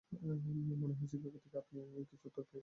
মনে হয় চিকাগো থেকে আপনি কিছু উত্তর পেয়েছেন।